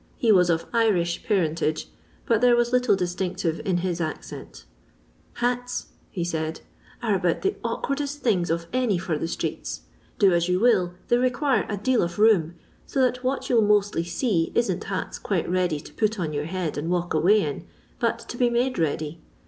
He was of Irish parentage, but there was little distinctive in his accent :—" Hats," he said, " are about the awkwardest things of any for the streets. Do as you will, they require a deal of room, so that what you '11 mostly see isn't hats quite ready to put on your head and walk away in, but to be made ready.